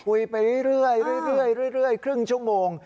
คุยไปเรื่อยครึ่งชั่วโมง